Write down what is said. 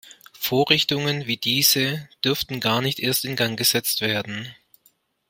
Vorrichtungen wie diese dürften gar nicht erst in Gang gesetzt werden.